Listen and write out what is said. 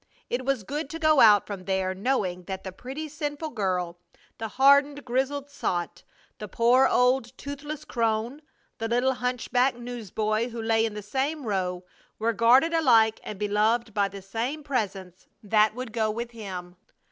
It was good to go out from there knowing that the pretty, sinful girl, the hardened, grizzled sot, the poor old toothless crone, the little hunchback newsboy who lay in the same row, were guarded alike and beloved by the same Presence that would go with him.